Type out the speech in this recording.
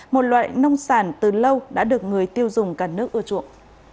một loại nông sản từ lâu đã được người tiêu dùng cả nước ưa chuộng